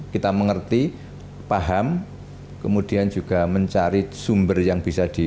kita mengerti paham kemudian juga mencari sumber yang bisa di